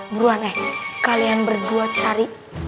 buan eh kalian berdua cari